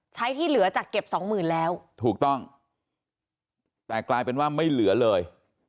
ที่เหลือจากเก็บสองหมื่นแล้วถูกต้องแต่กลายเป็นว่าไม่เหลือเลย